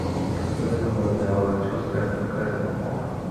Працуе там водная валанцёрская хуткая дапамога.